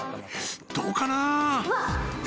どうかな？